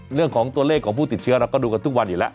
เรื่องของตัวเลขของผู้ติดเชื้อเราก็ดูกันทุกวันอยู่แล้ว